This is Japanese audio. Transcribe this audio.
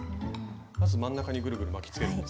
まず真ん中にぐるぐる巻きつけるんですね。